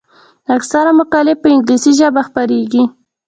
اکثره مقالې په انګلیسي ژبه خپریږي.